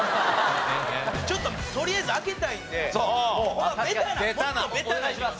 ちょっととりあえず開けたいんでホンマベタなもっとベタなのいきます。